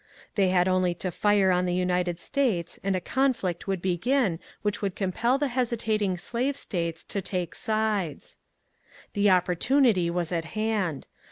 They had only to fire on the United States and a conflict would begin which would compel the hesitating slave States to take sides. The opportunity was at hand.